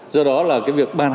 do đó là cái việc ban hành